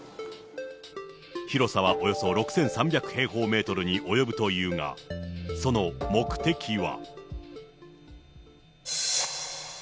広さはおよそ６３００平方メートルに及ぶというが、その目的は。